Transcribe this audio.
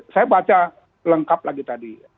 saya baca lengkap lagi tadi